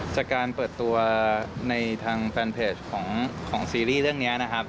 จากการเปิดตัวในทางแฟนเพจของซีรีส์เรื่องนี้นะครับ